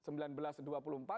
nah dengan satu kalimat